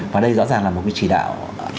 và đây rõ ràng là một cái chỉ đạo